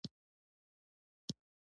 زه ستا هڅې ستایم.